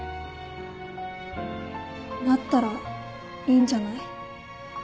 なったらいいんじゃない？